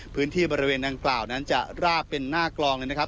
พื้นที่บริเวณดังกล่าวนั้นจะราบเป็นหน้ากลองเลยนะครับ